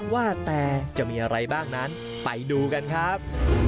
ว่าแต่จะมีอะไรบ้างนั้นไปดูกันครับ